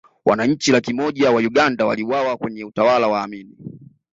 wananchi laki moja wa uganda waliuawa kwenye utawala wa amini